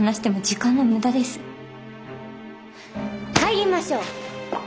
帰りましょう。